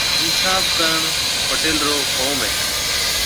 اِنصاف ڪرڻ پيٽل رو ڪوم هيَ۔